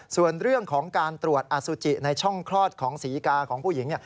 ส่วนเรื่องของการตรวจอสุจิในช่องคลอดของศรีกาของผู้หญิง